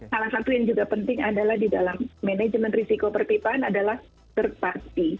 salah satu yang juga penting adalah di dalam manajemen risiko perpipaan adalah third pasti